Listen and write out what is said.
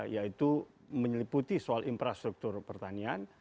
yaitu menyeliputi soal infrastruktur pertanian